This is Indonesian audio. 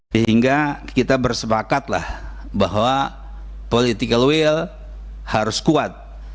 sehingga kita bersepakatlah bahwa political will harus kuat